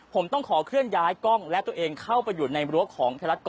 ผมต้องขอเคลื่อนย้ายกล้องและตัวเองเข้าไปอยู่ในรั้วของไทยรัฐก